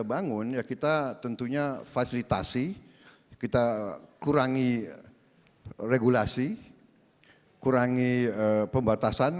kita bangun ya kita tentunya fasilitasi kita kurangi regulasi kurangi pembatasan